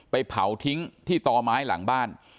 เผาทิ้งที่ต่อไม้หลังบ้าน